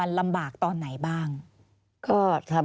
อันดับ๖๓๕จัดใช้วิจิตร